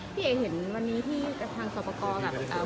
พี่เอ๋เห็นวันนี้ที่กระทางสอปกรณ์อ่ะ